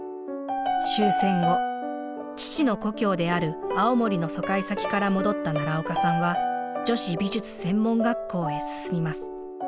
終戦後父の故郷である青森の疎開先から戻った奈良岡さんは女子美術専門学校へ進みます。